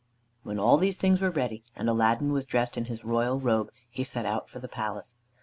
When all these things were ready, and Aladdin was dressed in his royal robe, he set out for the palace.